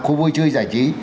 khu vui chơi giải trí